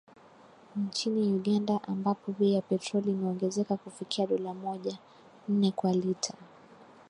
Nchini Uganda, ambapo bei ya petroli imeongezeka kufikia dola moja ,nne kwa lita